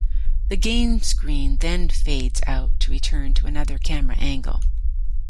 The game screen then fades out to return to another camera angle.